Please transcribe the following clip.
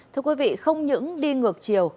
thưa quý vị không những đi ngược chiều